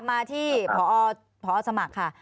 มาที่พอสมัครค่ะ